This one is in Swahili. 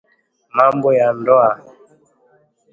mambo ya ndoa